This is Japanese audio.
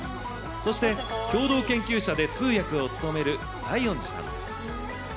そして、共同研究者で通訳を務める西園寺さんです。